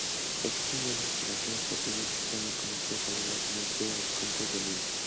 Existen dos explicaciones posibles ampliamente conocidas sobre la simetría de los copos de nieve.